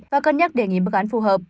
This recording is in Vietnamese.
và cân nhắc đề nghị bức án phù hợp